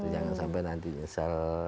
jangan sampai nanti nyesel